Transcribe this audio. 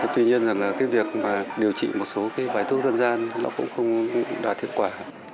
tuy nhiên rằng là cái việc mà điều trị một số cái bài thuốc dân gian nó cũng không đạt hiệu quả